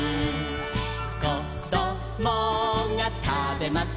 「こどもがたべます